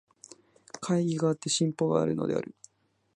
懐疑があって進歩があるのである。